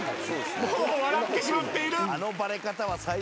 もう笑ってしまっている！